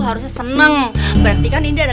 harusnya senang berarti kan ini ada